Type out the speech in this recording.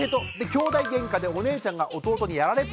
きょうだいゲンカでお姉ちゃんが弟にやられっぱなし！